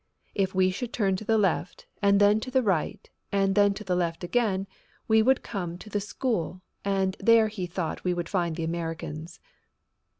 If we should turn to the left and then to the right and then to the left again we would come to the school and there he thought we would find the Americans.